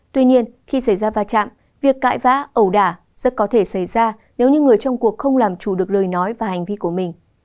tuy nhiên khi xảy ra va chạm việc cại vã ẩu đả rất có thể xảy ra nếu như người trong cuộc không làm chủ được lời nói và hành vi của mình